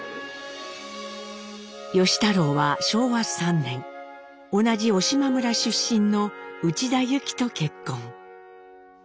芳太郎は昭和３年同じ小島村出身の内田ユキと結婚。